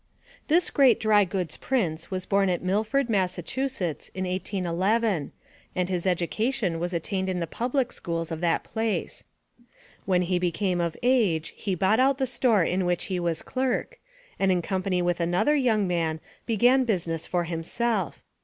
This great dry goods prince was born at Milford, Massachusetts, in 1811, and his education was attained in the public schools of that place. When he became of age he bought out the store in which he was clerk, and in company with another young man began business for himself.